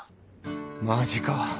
マジか！